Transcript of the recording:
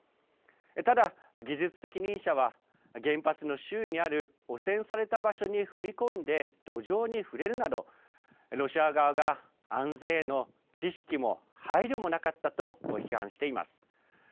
ただ技術責任者は、原発の周囲にある汚染された場所に踏み込んで土壌に触れるなど、ロシア側が安全への知識も配慮もなかったと批判しています。